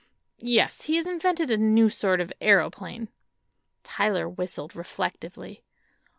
"Yes; he has invented a new sort of aëroplane." Tyler whistled, reflectively.